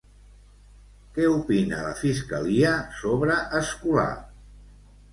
Què opina la fiscalia sobre Escolà?